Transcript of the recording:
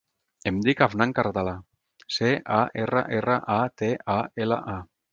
Em dic Afnan Carratala: ce, a, erra, erra, a, te, a, ela, a.